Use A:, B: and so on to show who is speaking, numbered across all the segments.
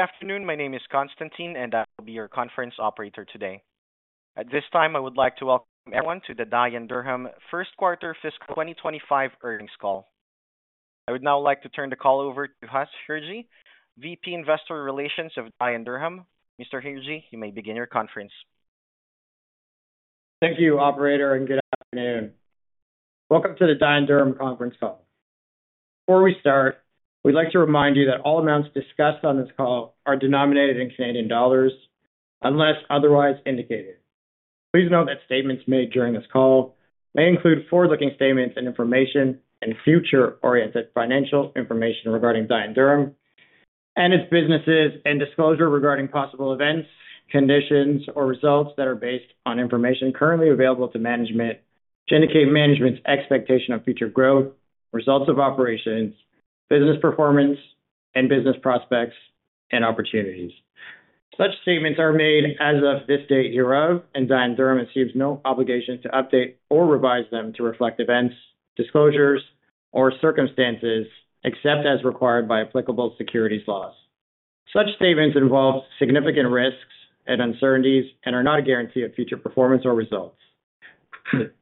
A: Good afternoon. My name is Konstantin, and I will be your conference operator today. At this time, I would like to welcome everyone to the Dye & Durham first quarter fiscal 2025 earnings call. I would now like to turn the call over to Huss Hirji, VP Investor Relations of Dye & Durham. Mr. Hirji, you may begin your conference.
B: Thank you, Operator, and good afternoon. Welcome to the Dye & Durham Conference Call. Before we start, we'd like to remind you that all amounts discussed on this call are denominated in Canadian dollars unless otherwise indicated. Please note that statements made during this call may include forward-looking statements and information and future-oriented financial information regarding Dye & Durham and its businesses, and disclosure regarding possible events, conditions, or results that are based on information currently available to management to indicate management's expectation of future growth, results of operations, business performance, and business prospects and opportunities. Such statements are made as of this date hereof, and Dye & Durham assumes no obligation to update or revise them to reflect events, disclosures, or circumstances except as required by applicable securities laws. Such statements involve significant risks and uncertainties and are not a guarantee of future performance or results.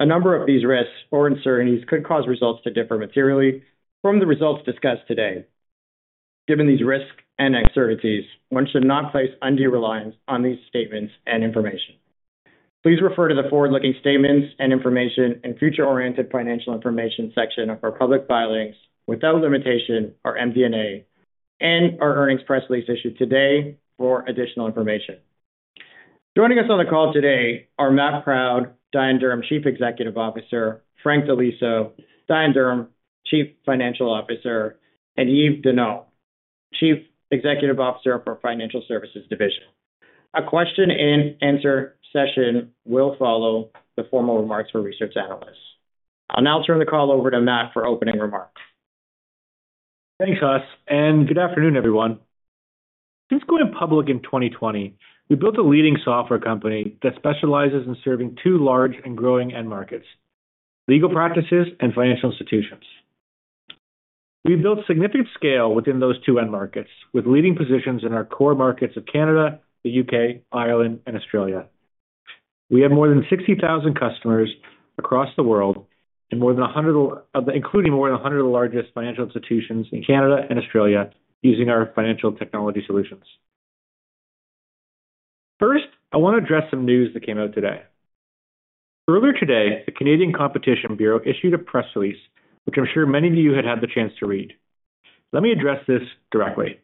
B: A number of these risks or uncertainties could cause results to differ materially from the results discussed today. Given these risks and uncertainties, one should not place undue reliance on these statements and information. Please refer to the forward-looking statements and information and future-oriented financial information section of our public filings without limitation, our MD&A, and our earnings press release issued today for additional information. Joining us on the call today are Matt Proud, Dye & Durham Chief Executive Officer, Frank Di Liso, Dye & Durham Chief Financial Officer, and Yves Deneau, Chief Executive Officer for Financial Services Division. A question-and-answer session will follow the formal remarks for research analysts. I'll now turn the call over to Matt for opening remarks.
C: Thanks, Huss, and good afternoon, everyone. Since going public in 2020, we built a leading software company that specializes in serving two large and growing end markets: legal practices and financial institutions. We've built significant scale within those two end markets, with leading positions in our core markets of Canada, the U.K., Ireland, and Australia. We have more than 60,000 customers across the world, including more than 100 of the largest financial institutions in Canada and Australia using our financial technology solutions. First, I want to address some news that came out today. Earlier today, the Canadian Competition Bureau issued a press release, which I'm sure many of you had had the chance to read. Let me address this directly.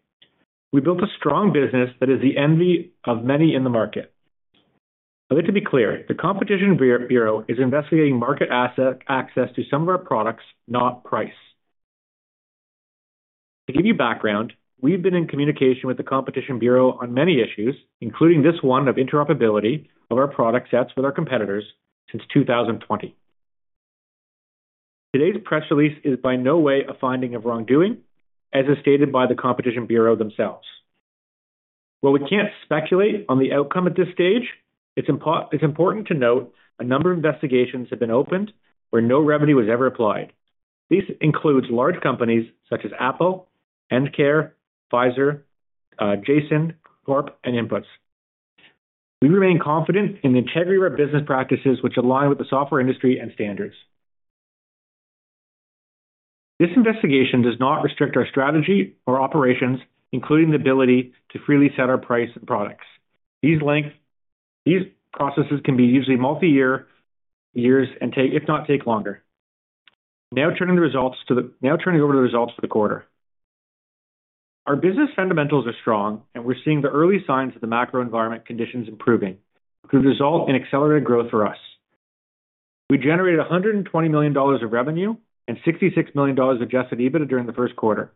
C: We built a strong business that is the envy of many in the market. I'd like to be clear. The Competition Bureau is investigating market access to some of our products, not price. To give you background, we've been in communication with the Competition Bureau on many issues, including this one of interoperability of our product sets with our competitors since 2020. Today's press release is in no way a finding of wrongdoing, as is stated by the Competition Bureau themselves. While we can't speculate on the outcome at this stage, it's important to note a number of investigations have been opened where no remedy was ever applied. This includes large companies such as Apple, Enercare, Pfizer, Janssen Corp, and Intuit. We remain confident in the integrity of our business practices, which align with the software industry and standards. This investigation does not restrict our strategy or operations, including the ability to freely set our price and products. These processes can be usually multi-year and take, if not, longer. Now turning over the results to the quarter. Our business fundamentals are strong, and we're seeing the early signs of the macro environment conditions improving, which would result in accelerated growth for us. We generated 120 million dollars of revenue and 66 million dollars Adjusted EBITDA during the first quarter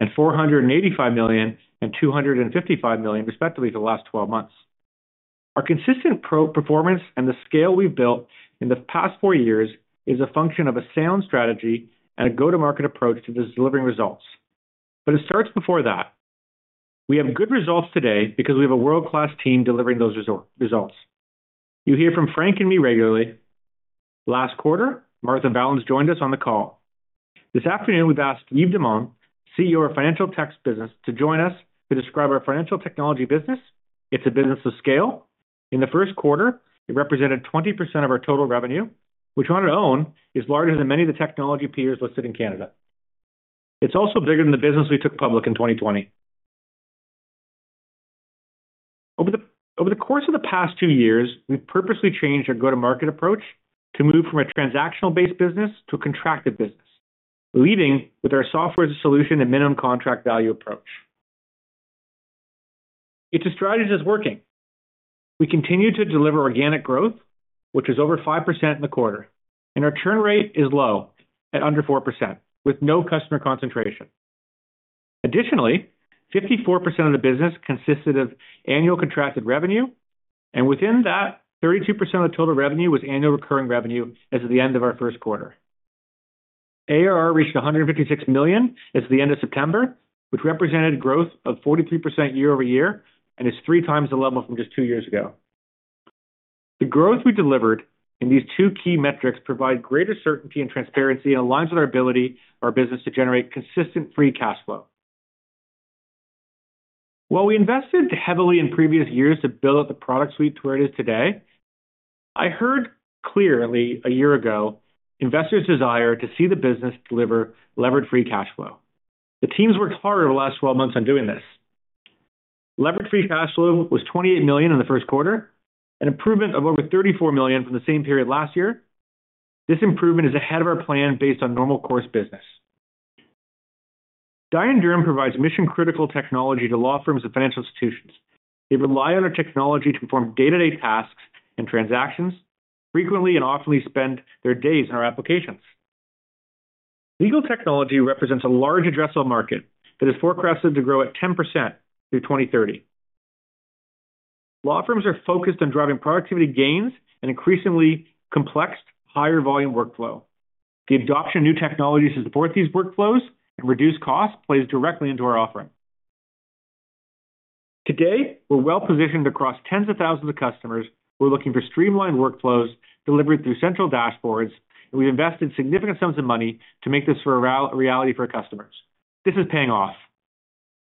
C: and 485 million and 255 million, respectively, for the last 12 months. Our consistent performance and the scale we've built in the past four years is a function of a sound strategy and a go-to-market approach to delivering results. But it starts before that. We have good results today because we have a world-class team delivering those results. You hear from Frank and me regularly. Last quarter, Martha Vallance joined us on the call. This afternoon, we've asked Yves Deneau, CEO of the Financial Services Division, to join us to describe our financial technology business. It's a business of scale. In the first quarter, it represented 20% of our total revenue, which on its own is larger than many of the technology peers listed in Canada. It's also bigger than the business we took public in 2020. Over the course of the past two years, we've purposely changed our go-to-market approach to move from a transactional-based business to a contracted business, leading with our software as a solution and minimum contract value approach. It's a strategy that's working. We continue to deliver organic growth, which is over 5% in the quarter, and our churn rate is low at under 4% with no customer concentration. Additionally, 54% of the business consisted of annual contracted revenue, and within that, 32% of the total revenue was annual recurring revenue as of the end of our first quarter. ARR reached 156 million as of the end of September, which represented growth of 43% year-over-year and is three times the level from just two years ago. The growth we delivered in these two key metrics provides greater certainty and transparency and aligns with our ability, our business, to generate consistent free cash flow. While we invested heavily in previous years to build up the product suite to where it is today, I heard clearly a year ago investors' desire to see the business deliver levered free cash flow. The teams worked hard over the last 12 months on doing this. Levered free cash flow was 28 million in the first quarter, an improvement of over 34 million from the same period last year. This improvement is ahead of our plan based on normal course business. Dye & Durham provides mission-critical technology to law firms and financial institutions. They rely on our technology to perform day-to-day tasks and transactions, frequently and often spend their days on our applications. Legal technology represents a large addressable market that is forecasted to grow at 10% through 2030. Law firms are focused on driving productivity gains and increasingly complex, higher-volume workflow. The adoption of new technologies to support these workflows and reduce costs plays directly into our offering. Today, we're well-positioned across tens of thousands of customers who are looking for streamlined workflows delivered through central dashboards, and we've invested significant sums of money to make this a reality for our customers. This is paying off.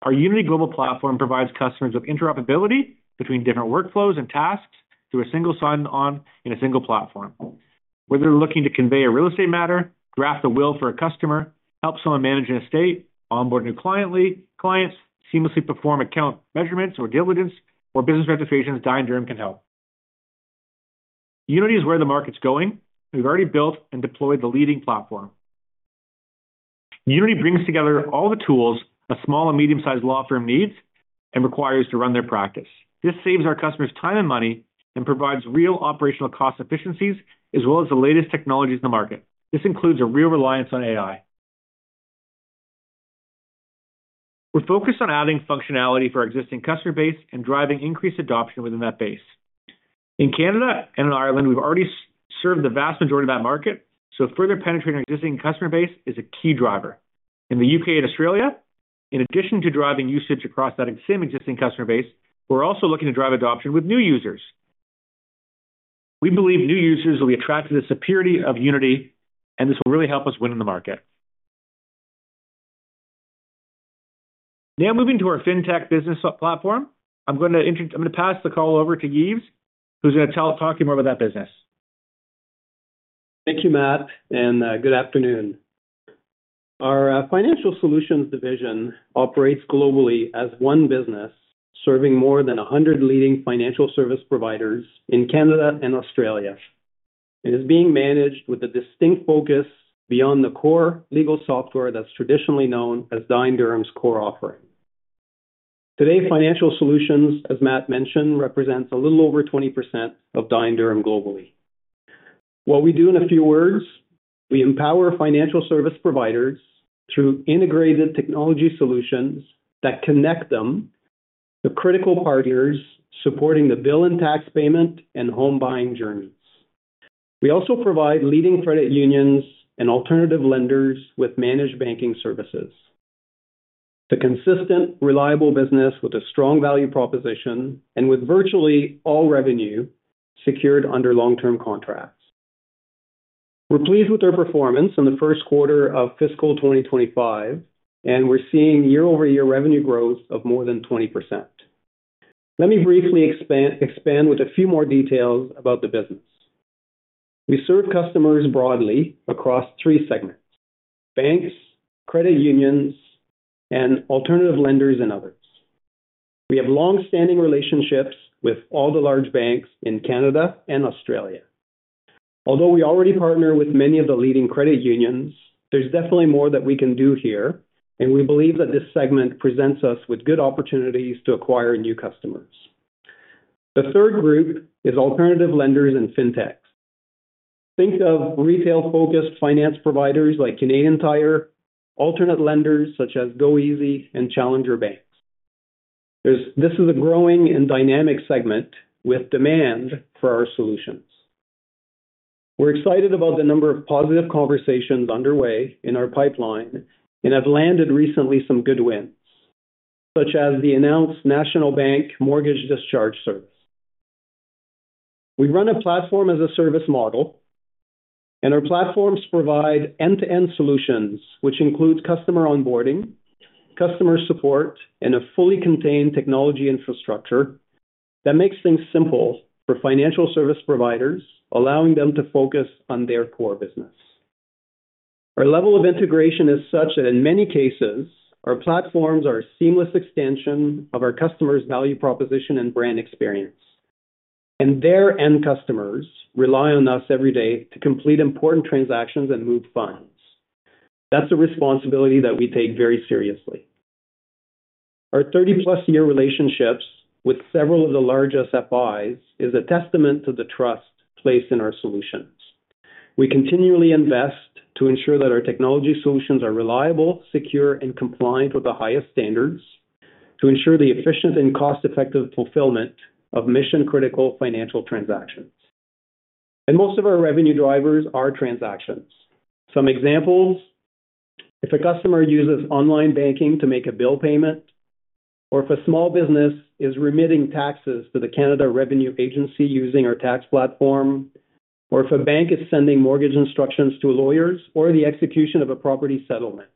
C: Our Unity Global platform provides customers with interoperability between different workflows and tasks through a single sign-on in a single platform. Whether they're looking to convey a real estate matter, draft a will for a customer, help someone manage an estate, onboard new clients, seamlessly perform account measurements or diligence, or business registrations, Dye & Durham can help. Unity is where the market's going. We've already built and deployed the leading platform. Unity brings together all the tools a small and medium-sized law firm needs and requires to run their practice. This saves our customers time and money and provides real operational cost efficiencies as well as the latest technologies in the market. This includes a real reliance on AI. We're focused on adding functionality for our existing customer base and driving increased adoption within that base. In Canada and in Ireland, we've already served the vast majority of that market, so further penetrating our existing customer base is a key driver. In the U.K. and Australia, in addition to driving usage across that same existing customer base, we're also looking to drive adoption with new users. We believe new users will be attracted to the superiority of Unity, and this will really help us win in the market. Now moving to our fintech business platform, I'm going to pass the call over to Yves, who's going to talk to you more about that business.
D: Thank you, Matt, and good afternoon. Our financial solutions division operates globally as one business serving more than 100 leading financial service providers in Canada and Australia. It is being managed with a distinct focus beyond the core legal software that's traditionally known as Dye & Durham's core offering. Today, financial solutions, as Matt mentioned, represent a little over 20% of Dye & Durham globally. What we do, in a few words, we empower financial service providers through integrated technology solutions that connect them to critical partners supporting the bill and tax payment and home buying journeys. We also provide leading credit unions and alternative lenders with managed banking services. It's a consistent, reliable business with a strong value proposition and with virtually all revenue secured under long-term contracts. We're pleased with our performance in the first quarter of fiscal 2025, and we're seeing year-over-year revenue growth of more than 20%. Let me briefly expand with a few more details about the business. We serve customers broadly across three segments: banks, credit unions, and alternative lenders and others. We have long-standing relationships with all the large banks in Canada and Australia. Although we already partner with many of the leading credit unions, there's definitely more that we can do here, and we believe that this segment presents us with good opportunities to acquire new customers. The third group is alternative lenders and fintechs. Think of retail-focused finance providers like Canadian Tire, alternative lenders such as goeasy and challenger banks. This is a growing and dynamic segment with demand for our solutions. We're excited about the number of positive conversations underway in our pipeline and have landed recently some good wins, such as the announced National Bank mortgage discharge service. We run a platform-as-a-service model, and our platforms provide end-to-end solutions, which include customer onboarding, customer support, and a fully contained technology infrastructure that makes things simple for financial service providers, allowing them to focus on their core business. Our level of integration is such that, in many cases, our platforms are a seamless extension of our customers' value proposition and brand experience, and their end customers rely on us every day to complete important transactions and move funds. That's a responsibility that we take very seriously. Our 30-plus year relationships with several of the largest FIs is a testament to the trust placed in our solutions. We continually invest to ensure that our technology solutions are reliable, secure, and compliant with the highest standards to ensure the efficient and cost-effective fulfillment of mission-critical financial transactions. Most of our revenue drivers are transactions. Some examples: if a customer uses online banking to make a bill payment, or if a small business is remitting taxes to the Canada Revenue Agency using our tax platform, or if a bank is sending mortgage instructions to lawyers, or the execution of a property settlement.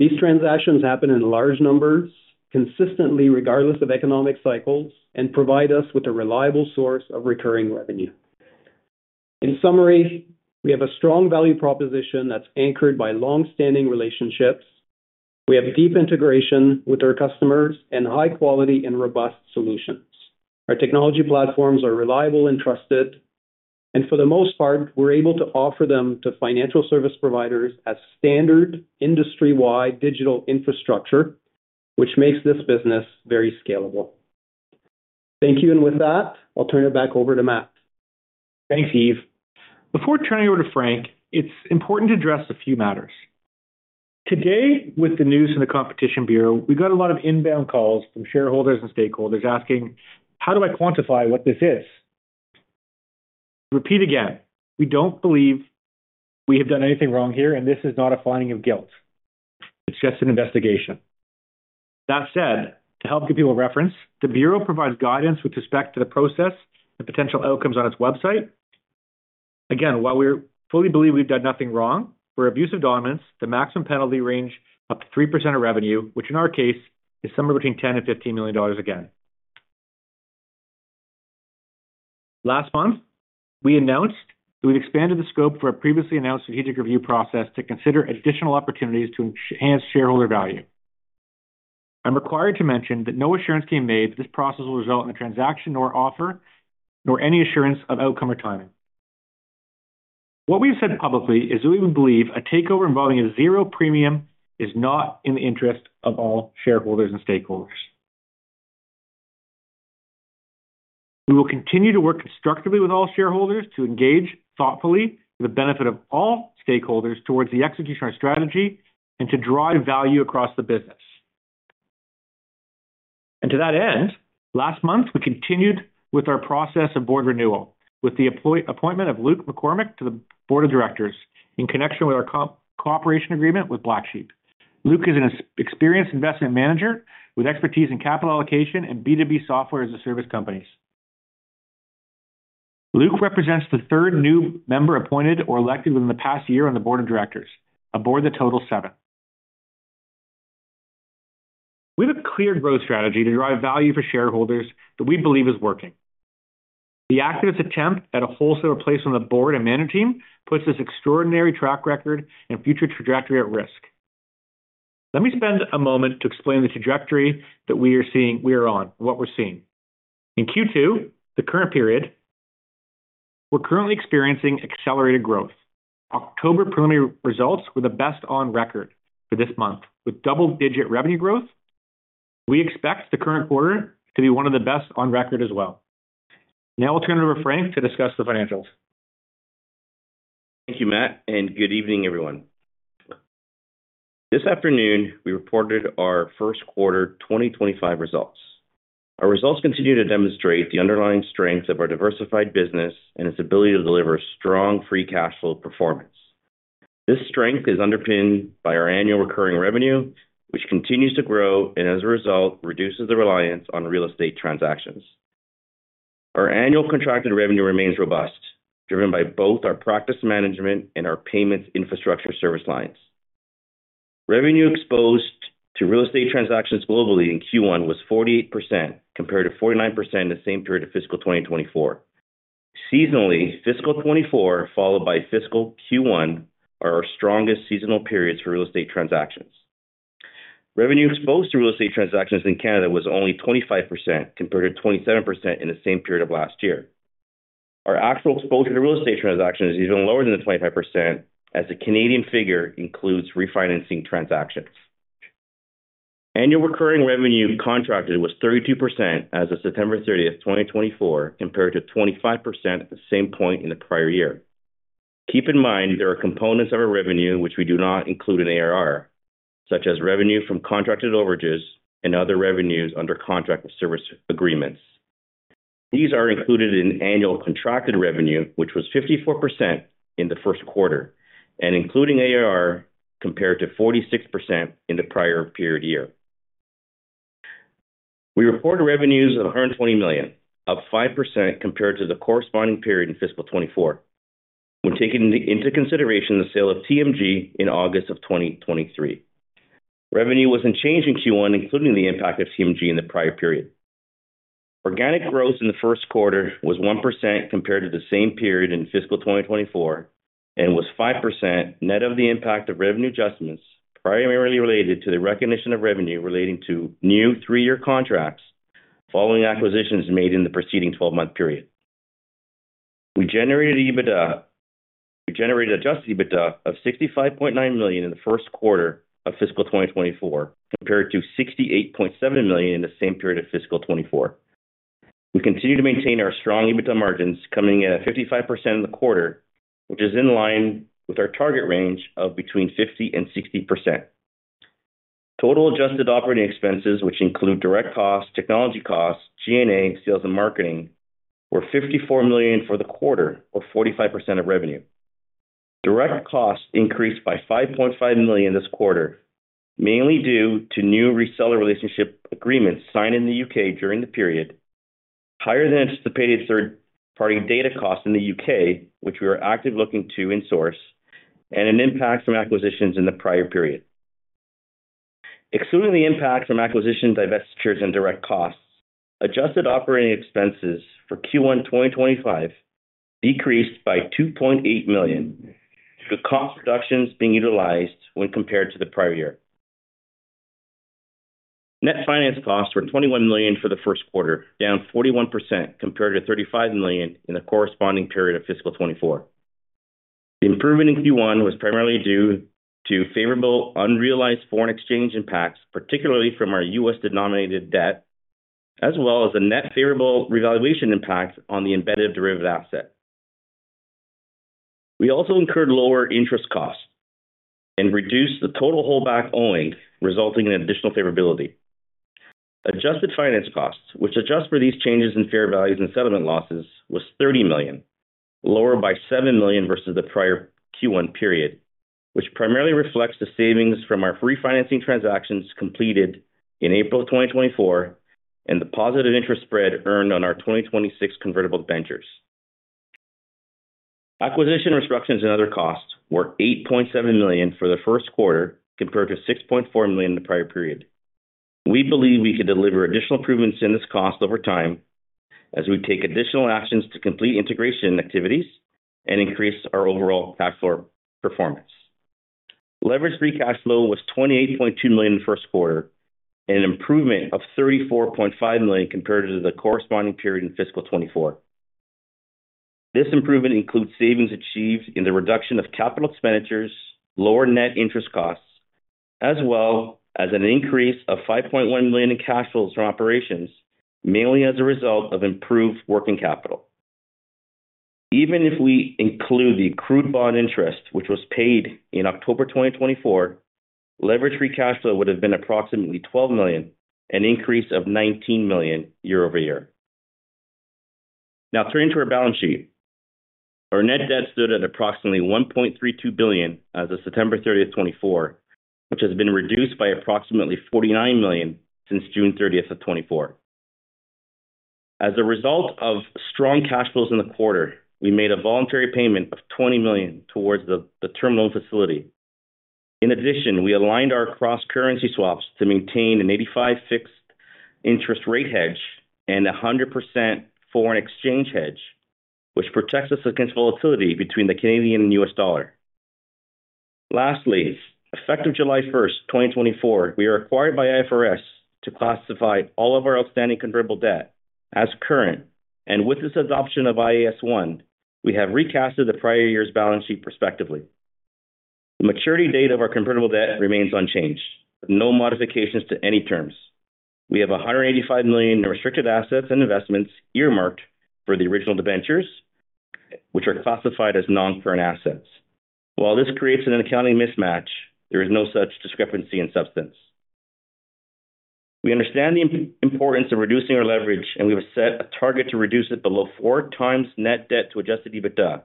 D: These transactions happen in large numbers, consistently, regardless of economic cycles, and provide us with a reliable source of recurring revenue. In summary, we have a strong value proposition that's anchored by long-standing relationships. We have deep integration with our customers and high-quality and robust solutions. Our technology platforms are reliable and trusted, and for the most part, we're able to offer them to financial service providers as standard industry-wide digital infrastructure, which makes this business very scalable. Thank you, and with that, I'll turn it back over to Matt.
C: Thanks, Yves. Before turning over to Frank, it's important to address a few matters. Today, with the news from the Canadian Competition Bureau, we got a lot of inbound calls from shareholders and stakeholders asking, "How do I quantify what this is?" Repeat again, we don't believe we have done anything wrong here, and this is not a finding of guilt. It's just an investigation. That said, to help give people a reference, the Canadian Competition Bureau provides guidance with respect to the process and potential outcomes on its website. Again, while we fully believe we've done nothing wrong, for abuse of dominance, the maximum penalty range is up to 3% of revenue, which in our case is somewhere between 10 million and 15 million dollars again. Last month, we announced that we've expanded the scope for our previously announced strategic review process to consider additional opportunities to enhance shareholder value. I'm required to mention that no assurance can be made that this process will result in a transaction or offer, nor any assurance of outcome or timing. What we've said publicly is that we believe a takeover involving a zero premium is not in the interest of all shareholders and stakeholders. We will continue to work constructively with all shareholders to engage thoughtfully for the benefit of all stakeholders towards the execution of our strategy and to drive value across the business. And to that end, last month, we continued with our process of board renewal with the appointment of Luke McCormick to the board of directors in connection with our cooperation agreement with Blacksheep. Luke is an experienced investment manager with expertise in capital allocation and B2B software as a service companies. Luke represents the third new member appointed or elected within the past year on the board of directors, a board that totals seven. We have a clear growth strategy to drive value for shareholders that we believe is working. The activist attempt at a wholesale replacement of the board and management team puts this extraordinary track record and future trajectory at risk. Let me spend a moment to explain the trajectory that we are seeing, we are on, what we're seeing. In Q2, the current period, we're currently experiencing accelerated growth. October preliminary results were the best on record for this month, with double-digit revenue growth. We expect the current quarter to be one of the best on record as well. Now I'll turn it over to Frank to discuss the financials.
E: Thank you, Matt, and good evening, everyone. This afternoon, we reported our first quarter 2025 results. Our results continue to demonstrate the underlying strength of our diversified business and its ability to deliver strong free cash flow performance. This strength is underpinned by our annual recurring revenue, which continues to grow and, as a result, reduces the reliance on real estate transactions. Our annual contracted revenue remains robust, driven by both our practice management and our payments infrastructure service lines. Revenue exposed to real estate transactions globally in Q1 was 48% compared to 49% in the same period of fiscal 2024. Seasonally, fiscal 2024 followed by fiscal Q1 are our strongest seasonal periods for real estate transactions. Revenue exposed to real estate transactions in Canada was only 25% compared to 27% in the same period of last year. Our actual exposure to real estate transactions is even lower than the 25%, as the Canadian figure includes refinancing transactions. Annual recurring revenue contracted was 32% as of September 30, 2024, compared to 25% at the same point in the prior year. Keep in mind there are components of our revenue which we do not include in ARR, such as revenue from contracted overages and other revenues under contract service agreements. These are included in annual contracted revenue, which was 54% in the first quarter and including ARR compared to 46% in the prior period year. We reported revenues of 120 million, up 5% compared to the corresponding period in fiscal 2024, when taking into consideration the sale of TMG in August of 2023. Revenue was unchanged in Q1, including the impact of TMG in the prior period. Organic growth in the first quarter was 1% compared to the same period in fiscal 2024 and was 5% net of the impact of revenue adjustments, primarily related to the recognition of revenue relating to new three-year contracts following acquisitions made in the preceding 12-month period. We generated EBITDA. We generated adjusted EBITDA of 65.9 million in the first quarter of fiscal 2024 compared to 68.7 million in the same period of fiscal 2024. We continue to maintain our strong EBITDA margins, coming at 55% in the quarter, which is in line with our target range of between 50% and 60%. Total adjusted operating expenses, which include direct costs, technology costs, G&A, sales, and marketing, were 54 million for the quarter, or 45% of revenue. Direct costs increased by 5.5 million this quarter, mainly due to new reseller relationship agreements signed in the U.K. during the period, higher than anticipated third-party data costs in the U.K., which we are actively looking to insource, and an impact from acquisitions in the prior period. Excluding the impact from acquisitions, divestitures, and direct costs, adjusted operating expenses for Q1 2025 decreased by 2.8 million, with cost reductions being utilized when compared to the prior year. Net finance costs were 21 million for the first quarter, down 41% compared to 35 million in the corresponding period of fiscal 2024. The improvement in Q1 was primarily due to favorable unrealized foreign exchange impacts, particularly from our U.S.-denominated debt, as well as a net favorable revaluation impact on the embedded derivative asset. We also incurred lower interest costs and reduced the total holdback owing, resulting in additional favorability. Adjusted finance costs, which adjust for these changes in fair values and settlement losses, was 30 million, lower by 7 million versus the prior Q1 period, which primarily reflects the savings from our refinancing transactions completed in April 2024 and the positive interest spread earned on our 2026 convertible debentures. Acquisition-related and other costs were 8.7 million for the first quarter compared to 6.4 million in the prior period. We believe we can deliver additional improvements in this cost over time as we take additional actions to complete integration activities and increase our overall cash flow performance. Levered free cash flow was 28.2 million in the first quarter, an improvement of 34.5 million compared to the corresponding period in fiscal 2024. This improvement includes savings achieved in the reduction of capital expenditures, lower net interest costs, as well as an increase of 5.1 million in cash flows from operations, mainly as a result of improved working capital. Even if we include the accrued bond interest, which was paid in October 2024, levered free cash flow would have been approximately 12 million, an increase of 19 million year-over-year. Now, turning to our balance sheet, our net debt stood at approximately 1.32 billion as of September 30, 2024, which has been reduced by approximately 49 million since June 30, 2024. As a result of strong cash flows in the quarter, we made a voluntary payment of 20 million towards the Term Loan facility. In addition, we aligned our cross-currency swaps to maintain an 85% fixed interest rate hedge and a 100% foreign exchange hedge, which protects us against volatility between the Canadian and US dollar. Lastly, effective July 1, 2024, we are required by IFRS to classify all of our outstanding convertible debt as current, and with this adoption of IAS 1, we have recast the prior year's balance sheet prospectively. The maturity date of our convertible debt remains unchanged, with no modifications to any terms. We have 185 million in restricted assets and investments earmarked for the redemption, which are classified as non-current assets. While this creates an accounting mismatch, there is no such discrepancy in substance. We understand the importance of reducing our leverage, and we have set a target to reduce it below four times net debt to Adjusted EBITDA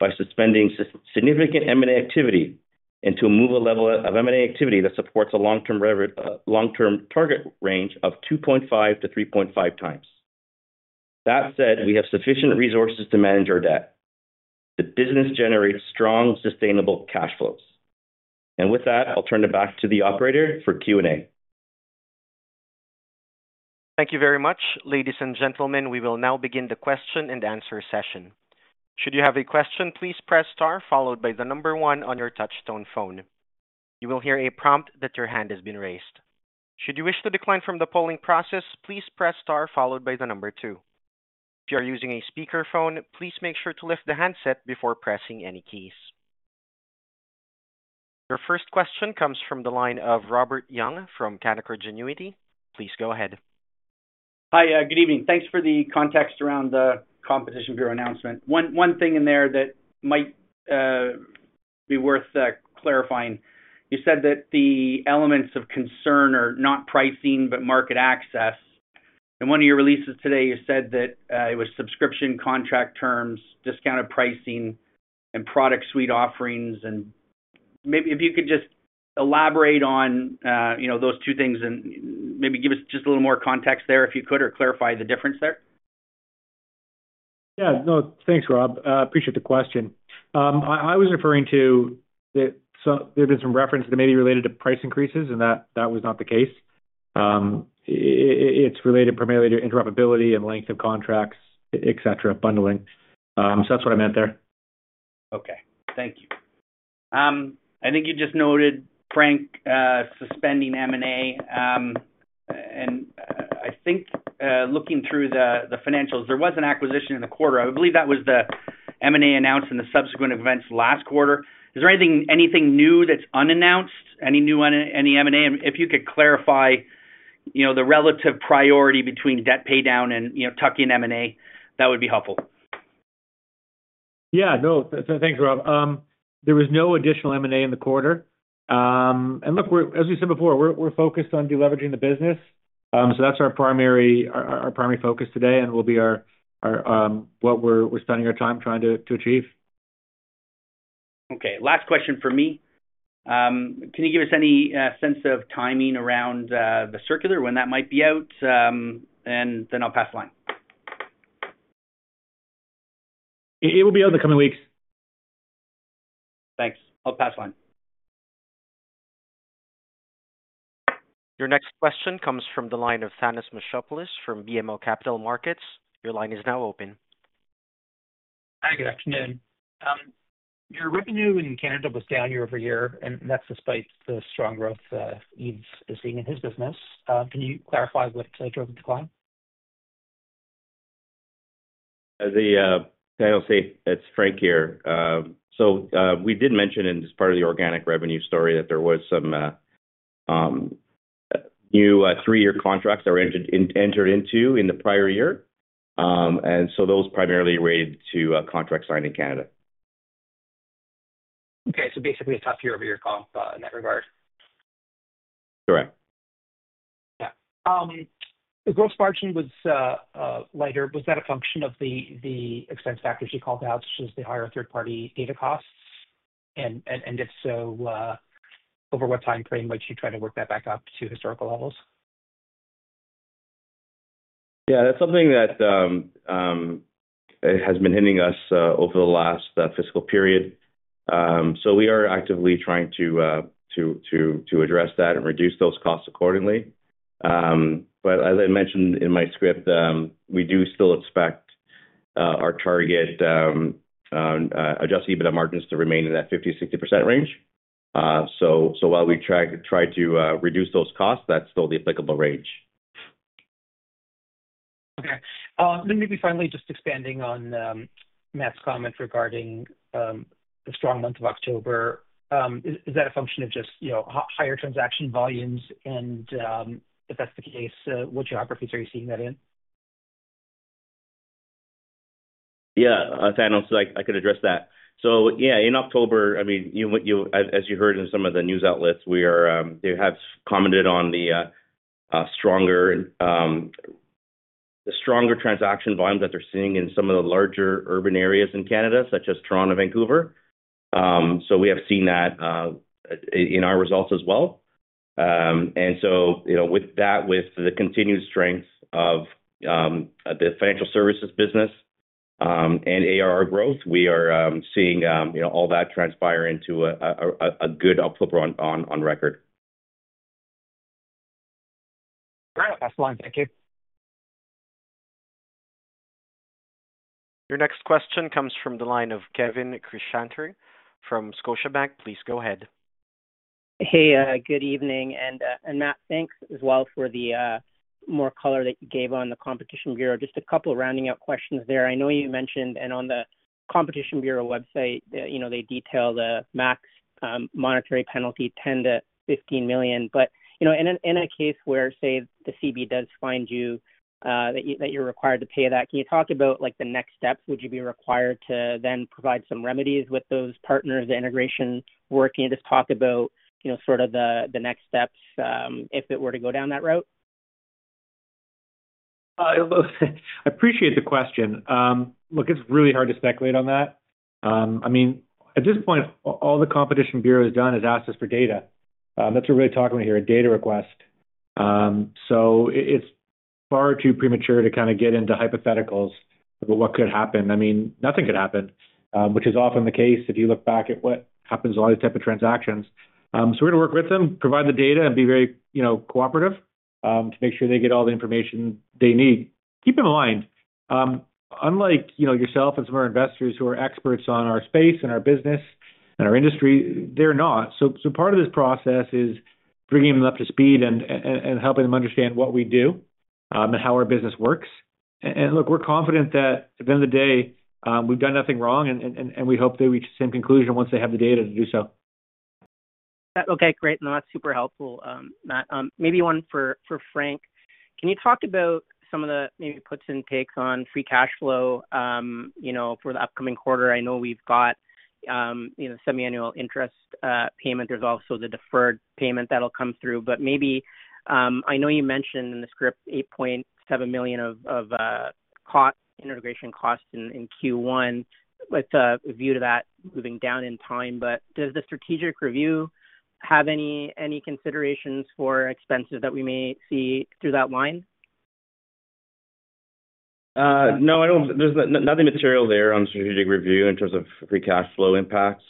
E: by suspending significant M&A activity and to move a level of M&A activity that supports a long-term target range of 2.5-3.5 times. That said, we have sufficient resources to manage our debt. The business generates strong, sustainable cash flows. And with that, I'll turn it back to the operator for Q&A.
A: Thank you very much, ladies and gentlemen. We will now begin the question and answer session. Should you have a question, please press star, followed by the number one on your touch-tone phone. You will hear a prompt that your hand has been raised. Should you wish to decline from the polling process, please press star, followed by the number two. If you are using a speakerphone, please make sure to lift the handset before pressing any keys. Your first question comes from the line of Robert Young from Canaccord Genuity. Please go ahead.
F: Hi, good evening. Thanks for the context around the Competition Bureau announcement. One thing in there that might be worth clarifying, you said that the elements of concern are not pricing, but market access. In one of your releases today, you said that it was subscription contract terms, discounted pricing, and product suite offerings. And maybe if you could just elaborate on those two things and maybe give us just a little more context there if you could, or clarify the difference there.
C: Yeah, no, thanks, Rob. I appreciate the question. I was referring to that there had been some reference that may be related to price increases, and that was not the case. It's related primarily to interoperability and length of contracts, etc., bundling. So that's what I meant there.
F: Okay. Thank you. I think you just noted, Frank, suspending M&A. And I think looking through the financials, there was an acquisition in the quarter. I believe that was the M&A announced in the subsequent events last quarter. Is there anything new that's unannounced, any new M&A? If you could clarify the relative priority between debt pay down and tucking M&A, that would be helpful.
C: Yeah, no, thanks, Rob. There was no additional M&A in the quarter. And look, as we said before, we're focused on deleveraging the business. So that's our primary focus today and will be what we're spending our time trying to achieve.
F: Okay. Last question for me. Can you give us any sense of timing around the circular, when that might be out? And then I'll pass the line.
C: It will be out in the coming weeks.
F: Thanks. I'll pass the line.
A: Your next question comes from the line of Thanos Moschopoulos from BMO Capital Markets. Your line is now open.
G: Hi, good afternoon. Your revenue in Canada was down year-over-year, and that's despite the strong growth Yves is seeing in his business. Can you clarify what drove the decline?
E: Hi, this is Frank here. So we did mention in this part of the organic revenue story that there were some new three-year contracts that were entered into in the prior year. And so those primarily related to contracts signed in Canada.
G: Okay, so basically, a tough year-over-year comp in that regard.
E: Correct.
G: Yeah. The growth margin was lighter. Was that a function of the expense factors you called out, such as the higher third-party data costs? And if so, over what time frame might you try to work that back up to historical levels?
E: Yeah, that's something that has been hitting us over the last fiscal period. So we are actively trying to address that and reduce those costs accordingly. But as I mentioned in my script, we do still expect our target Adjusted EBITDA margins to remain in that 50%-60% range. So while we try to reduce those costs, that's still the applicable range.
G: Okay. Then maybe finally, just expanding on Matt's comment regarding the strong month of October, is that a function of just higher transaction volumes? And if that's the case, what geographies are you seeing that in?
E: Yeah, Thanos, I could address that. So yeah, in October, I mean, as you heard in some of the news outlets, they have commented on the stronger transaction volumes that they're seeing in some of the larger urban areas in Canada, such as Toronto, Vancouver. So we have seen that in our results as well. And so with that, with the continued strength of the financial services business and ARR growth, we are seeing all that transpire into a good uplift on record.
G: All right. Pass the line. Thank you.
A: Your next question comes from the line of Kevin Krishnaratne from Scotiabank. Please go ahead.
H: Hey, good evening, and Matt, thanks as well for the more color that you gave on the Competition Bureau. Just a couple of rounding-out questions there. I know you mentioned, and on the Competition Bureau website, they detail the max monetary penalty, 10 million-15 million. But in a case where, say, the CB does find you that you're required to pay that, can you talk about the next steps? Would you be required to then provide some remedies with those partners, the integration work? Can you just talk about sort of the next steps if it were to go down that route?
C: I appreciate the question. Look, it's really hard to speculate on that. I mean, at this point, all the Competition Bureau has done is asked us for data. That's what we're talking about here, a data request. So it's far too premature to kind of get into hypotheticals about what could happen. I mean, nothing could happen, which is often the case if you look back at what happens with all these types of transactions. So we're going to work with them, provide the data, and be very cooperative to make sure they get all the information they need. Keep in mind, unlike yourself and some of our investors who are experts on our space and our business and our industry, they're not. So part of this process is bringing them up to speed and helping them understand what we do and how our business works. Look, we're confident that at the end of the day, we've done nothing wrong, and we hope they reach the same conclusion once they have the data to do so.
H: Okay. Great. No, that's super helpful, Matt. Maybe one for Frank. Can you talk about some of the maybe puts and takes on free cash flow for the upcoming quarter? I know we've got semi-annual interest payment. There's also the deferred payment that'll come through. But maybe I know you mentioned in the script 8.7 million of integration costs in Q1 with a view to that moving down in time. But does the strategic review have any considerations for expenses that we may see through that line?
E: No, there's nothing material there on strategic review in terms of free cash flow impacts.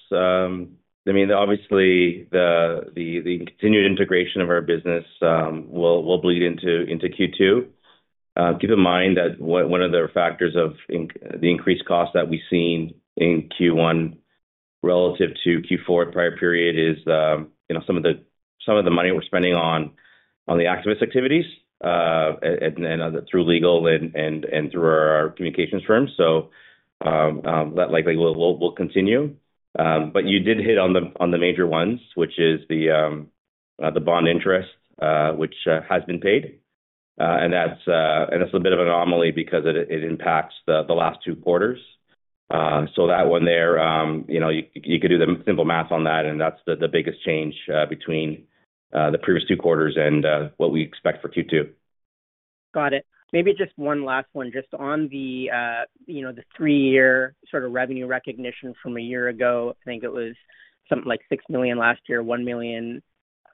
E: I mean, obviously, the continued integration of our business will bleed into Q2. Keep in mind that one of the factors of the increased costs that we've seen in Q1 relative to Q4 prior period is some of the money we're spending on the activist activities through legal and through our communications firms. So that likely will continue. But you did hit on the major ones, which is the bond interest, which has been paid. And that's a bit of an anomaly because it impacts the last two quarters. So that one there, you could do the simple math on that, and that's the biggest change between the previous two quarters and what we expect for Q2.
H: Got it. Maybe just one last one. Just on the three-year sort of revenue recognition from a year ago, I think it was something like 6 million last year, 1 million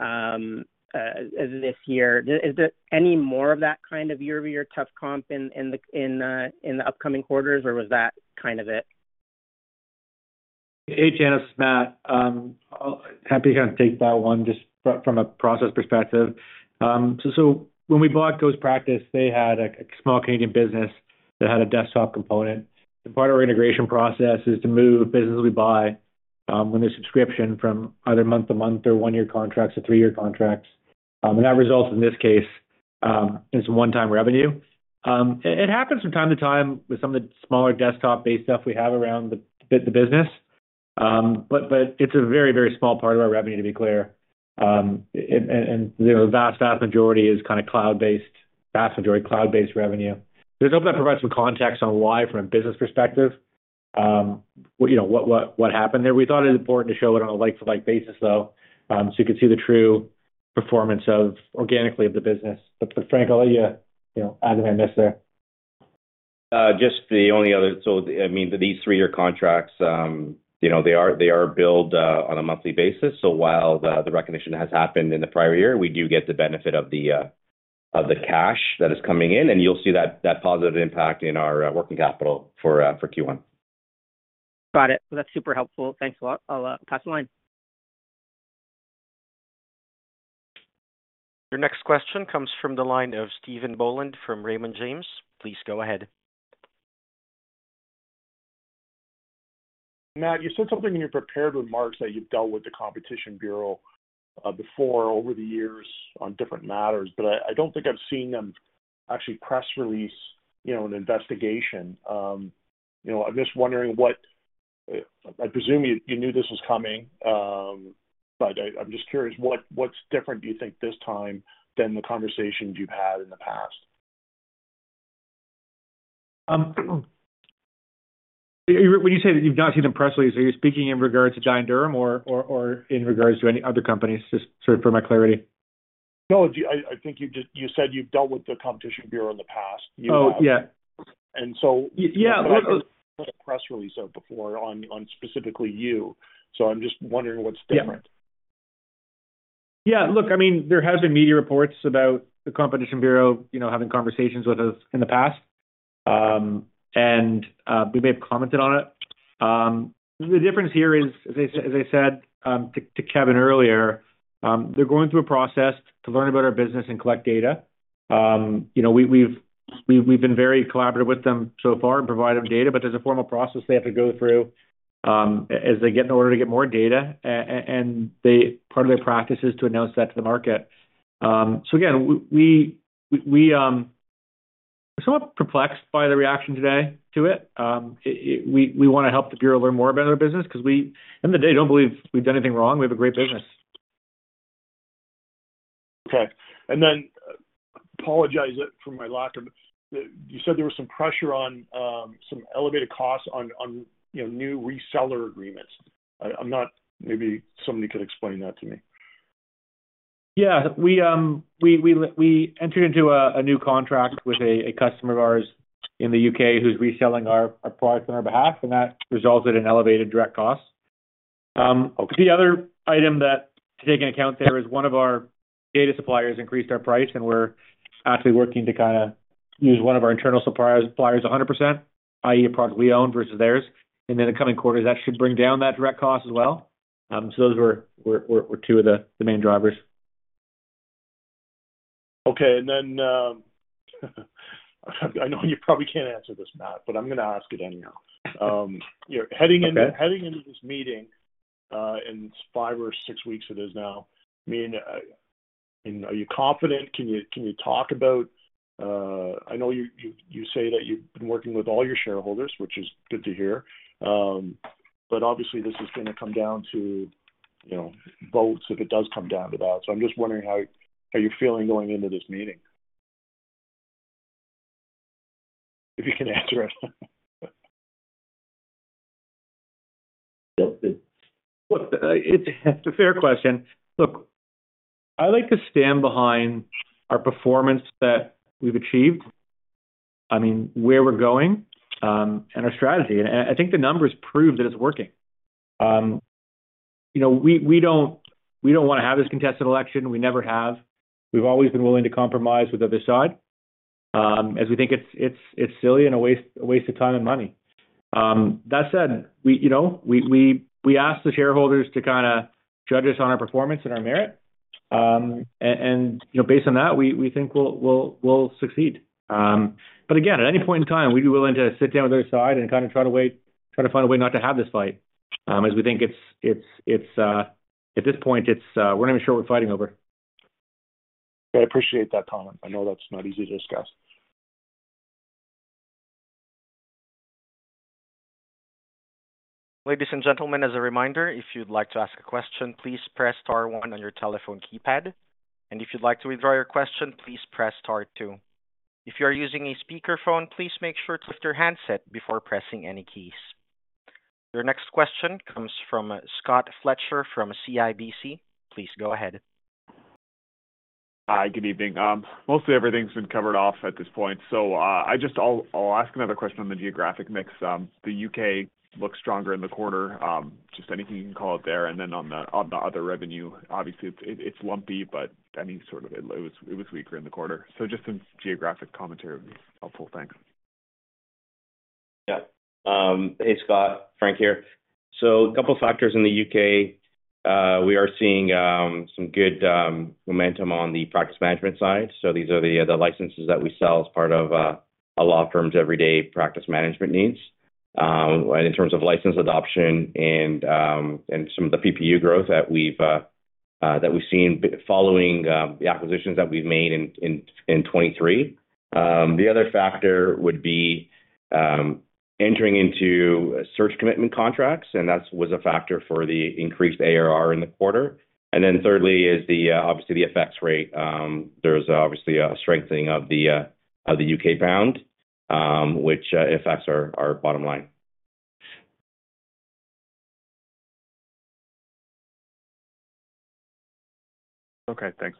H: this year. Is there any more of that kind of year-over-year tough comp in the upcoming quarters, or was that kind of it?
C: Hey, Kevin, Matt. Happy to kind of take that one just from a process perspective. So when we bought GhostPractice, they had a small Canadian business that had a desktop component. The part of our integration process is to move businesses we buy when there's subscription from either month-to-month or one-year contracts to three-year contracts. And that results, in this case, in some one-time revenue. It happens from time to time with some of the smaller desktop-based stuff we have around the business. But it's a very, very small part of our revenue, to be clear. And the vast, vast majority is kind of cloud-based, vast majority cloud-based revenue. So I hope that provides some context on why, from a business perspective, what happened there. We thought it was important to show it on a like-for-like basis, though, so you could see the true performance organically of the business. But Frank, I'll let you add in there.
E: I mean, these three-year contracts, they are billed on a monthly basis, so while the recognition has happened in the prior year, we do get the benefit of the cash that is coming in, and you'll see that positive impact in our working capital for Q1.
H: Got it. Well, that's super helpful. Thanks a lot. I'll pass the line.
A: Your next question comes from the line of Stephen Boland from Raymond James. Please go ahead.
I: Matt, you said something in your prepared remarks that you've dealt with the Competition Bureau before over the years on different matters. But I don't think I've seen them actually press release an investigation. I'm just wondering what I presume you knew this was coming, but I'm just curious, what's different, do you think, this time than the conversations you've had in the past?
C: When you say that you've not seen the press release, are you speaking in regards to Dye & Durham or in regards to any other companies, just sort of for my clarity?
I: No, I think you said you've dealt with the Competition Bureau in the past.
C: Oh, yeah.
I: And so I've heard a press release of it before on specifically you. So I'm just wondering what's different.
C: Yeah. Yeah. Look, I mean, there have been media reports about the Competition Bureau having conversations with us in the past, and we may have commented on it. The difference here is, as I said to Kevin earlier, they're going through a process to learn about our business and collect data. We've been very collaborative with them so far and provided them data, but there's a formal process they have to go through as they get in order to get more data. And part of their practice is to announce that to the market. So again, we're somewhat perplexed by the reaction today to it. We want to help the Bureau learn more about our business because we in no way don't believe we've done anything wrong. We have a great business.
I: Okay. And then, apologize for my lack of. You said there was some pressure on some elevated costs on new reseller agreements. I'm not. Maybe somebody could explain that to me.
C: Yeah. We entered into a new contract with a customer of ours in the U.K. who's reselling our product on our behalf, and that resulted in elevated direct costs. The other item to take into account there is one of our data suppliers increased our price, and we're actually working to kind of use one of our internal suppliers 100%, i.e., a product we own versus theirs. And in the coming quarters, that should bring down that direct cost as well. So those were two of the main drivers.
I: Okay, and then I know you probably can't answer this, Matt, but I'm going to ask it anyhow. Heading into this meeting, and it's five or six weeks it is now. I mean, are you confident? Can you talk about, I know you say that you've been working with all your shareholders, which is good to hear, but obviously, this is going to come down to votes if it does come down to that, so I'm just wondering how you're feeling going into this meeting, if you can answer it?
E: Look, it's a fair question. Look, I like to stand behind our performance that we've achieved, I mean, where we're going, and our strategy. And I think the numbers prove that it's working. We don't want to have this contested election. We never have. We've always been willing to compromise with the other side as we think it's silly and a waste of time and money. That said, we asked the shareholders to kind of judge us on our performance and our merit. And based on that, we think we'll succeed. But again, at any point in time, we'd be willing to sit down with their side and kind of try to find a way not to have this fight as we think at this point, we're not even sure what we're fighting over.
I: I appreciate that, Thomas. I know that's not easy to discuss.
A: Ladies and gentlemen, as a reminder, if you'd like to ask a question, please press star one on your telephone keypad. And if you'd like to withdraw your question, please press star two. If you are using a speakerphone, please make sure to lift your handset before pressing any keys. Your next question comes from Scott Fletcher from CIBC. Please go ahead.
J: Hi, good evening. Mostly everything's been covered off at this point. So I'll ask another question on the geographic mix. The UK looks stronger in the quarter. Just anything you can call it there. And then on the other revenue, obviously, it's lumpy, but I mean, sort of it was weaker in the quarter. So just some geographic commentary would be helpful. Thanks.
E: Yeah. Hey, Scott. Frank here. So a couple of factors in the U.K. We are seeing some good momentum on the practice management side. So these are the licenses that we sell as part of a law firm's everyday practice management needs in terms of license adoption and some of the PPU growth that we've seen following the acquisitions that we've made in 2023. The other factor would be entering into search commitment contracts, and that was a factor for the increased ARR in the quarter. And then thirdly is, obviously, the FX rate. There's obviously a strengthening of the U.K. pound, which affects our bottom line.
A: Okay. Thanks.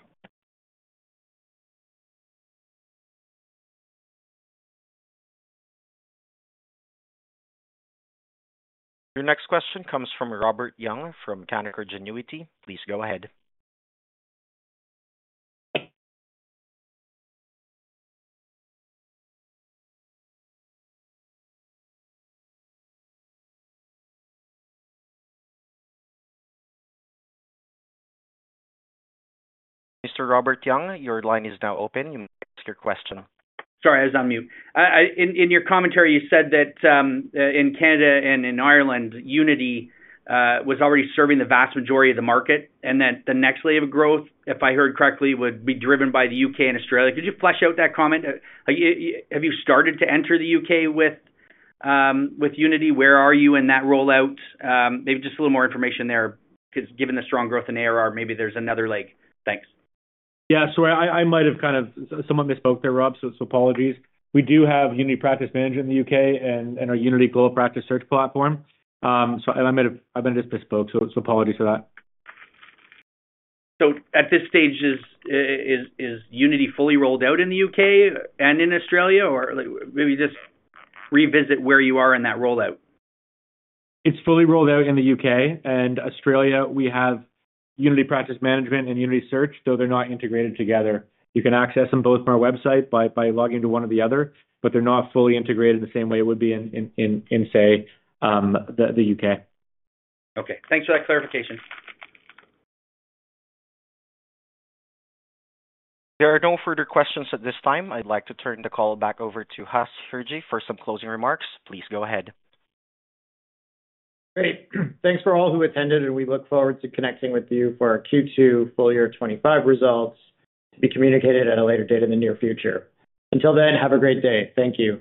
A: Your next question comes from Robert Young from Canaccord Genuity. Please go ahead. Mr. Robert Young, your line is now open. You may ask your question.
F: Sorry, I was on mute. In your commentary, you said that in Canada and in Ireland, Unity was already serving the vast majority of the market and that the next wave of growth, if I heard correctly, would be driven by the UK and Australia. Could you flesh out that comment? Have you started to enter the UK with Unity? Where are you in that rollout? Maybe just a little more information there because given the strong growth in ARR, maybe there's another leg. Thanks.
C: Yeah. Sorry, I might have kind of somewhat misspoke there, Rob, so apologies. We do have Unity Practice Management in the UK and our Unity Global Practice Search platform. And I might have just misspoke, so apologies for that.
F: So at this stage, is Unity fully rolled out in the U.K. and in Australia, or maybe just revisit where you are in that rollout?
C: It's fully rolled out in the UK, and Australia, we have Unity Practice Management and Unity Search, though they're not integrated together. You can access them both from our website by logging to one or the other, but they're not fully integrated in the same way it would be in, say, the UK.
F: Okay. Thanks for that clarification.
A: There are no further questions at this time. I'd like to turn the call back over to Huss Hirji for some closing remarks. Please go ahead.
B: Great. Thanks for all who attended, and we look forward to connecting with you for our Q2 Full Year 2025 Results to be communicated at a later date in the near future. Until then, have a great day. Thank you.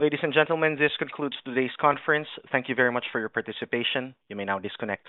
A: Ladies and gentlemen, this concludes today's conference. Thank you very much for your participation. You may now disconnect.